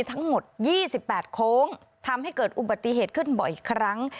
ทั้งหมด๒๘โค้งทำให้เกิดอุบัติเหตุขึ้นบ่อยครั้ง